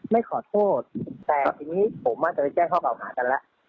ไม่ขอโทษแต่ทีนี้ผมอาจจะไปแจ้งข้อเก่าหากันแล้ว